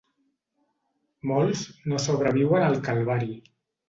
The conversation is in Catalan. Molts no sobreviuen el calvari.